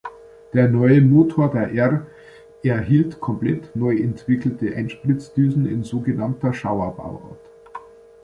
Der neue Motor der "R" erhielt komplett neu entwickelte Einspritzdüsen in so genannter „Shower“-Bauart.